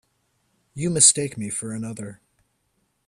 You mistake me for another.